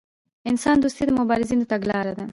انسان دوستي د مبارزینو تګلاره ده.